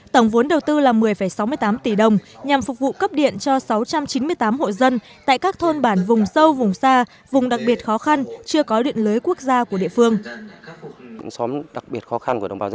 tổng vốn đầu tư là một mươi sáu mươi tám tỷ đồng nhằm phục vụ cấp điện cho sáu trăm chín mươi tám hộ dân tại các thôn bản vùng sâu vùng xa vùng đặc biệt khó khăn chưa có điện lưới quốc gia của địa phương